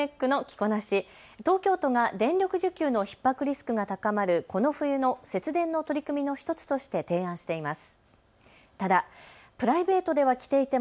このタートルネックの着こなし、東京都が電力需給のひっ迫リスクが高まるこの冬の節電の取り組みの１つとして提案しています。